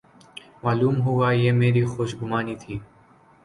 معلوم ہوا یہ میری خوش گمانی تھی۔